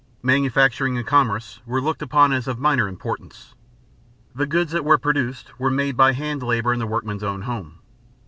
Manufacturing and commerce were looked upon as of minor importance. The goods that were produced were made by hand labor in the workman's own home.